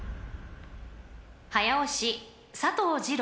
［早押し佐藤二朗